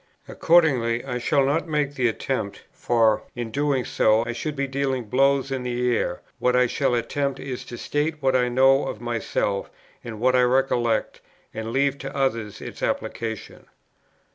Accordingly, I shall not make the attempt, for, in doing so, I should be dealing blows in the air; what I shall attempt is to state what I know of myself and what I recollect, and leave to others its application.